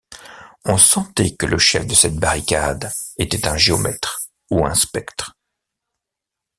On sentait que le chef de cette barricade était un géomètre ou un spectre.